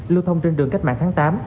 lưu thông trên đường cách mạng tháng tám